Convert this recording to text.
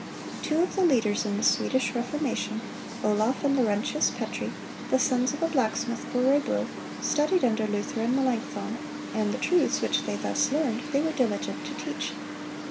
Two of the leaders in the Swedish Reformation, Olaf and Laurentius Petri, the sons of a blacksmith of Orebro, studied under Luther and Melanchthon, and the truths which they thus learned they were diligent to teach.